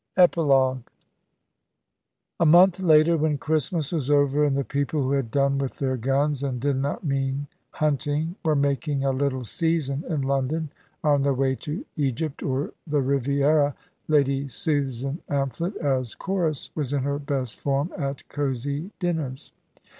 EPILOGUE A month later, when Christmas was over, and the people who had done with their guns, and did not mean hunting, were making a little season in London on their way to Egypt or the Riviera, Lady Susan Amphlett as Chorus was in her best form at cosy dinners.